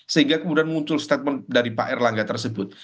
sehingga kemudian muncul statement dari pak erlangga tersebut